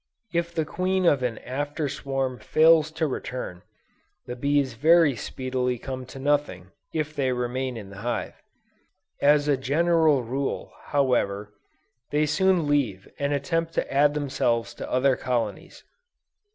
If the queen of an after swarm fails to return, the bees very speedily come to nothing, if they remain in the hive; as a general rule, however, they soon leave and attempt to add themselves to other colonies.